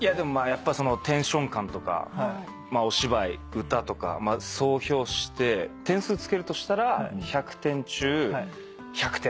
やっぱテンション感とかお芝居歌とか総評して点数つけるとしたら１００点中１００点。